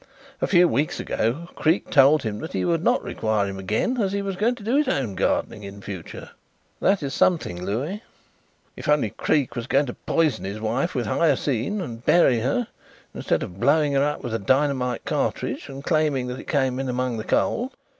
A few weeks ago Creake told him that he would not require him again as he was going to do his own gardening in future." "That is something, Louis." "If only Creake was going to poison his wife with hyoscyamine and bury her, instead of blowing her up with a dynamite cartridge and claiming that it came in among the coal."